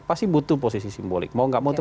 pasti butuh posisi simbolik mau gak mau itu